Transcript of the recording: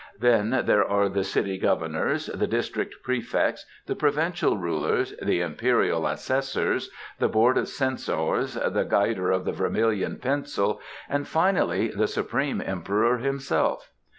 Then there are the city governors, the district prefects, the provincial rulers, the Imperial Assessors, the Board of Censors, the Guider of the Vermilion Pencil, and, finally, the supreme Emperor himself.